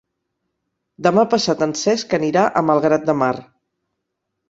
Demà passat en Cesc anirà a Malgrat de Mar.